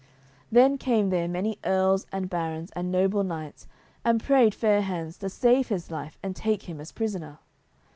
Then came there many earls and barons and noble knights, and prayed Fair hands to save his life and take him as prisoner.